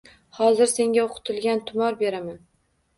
Hozir senga o`qitilgan tumor beraman